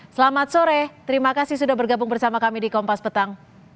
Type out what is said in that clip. selamat sore terima kasih sudah bergabung bersama kami di kompas petang